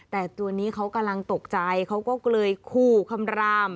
แต่ตัวนี้เขากำลังตกใจเขาก็เลยคู่คำราม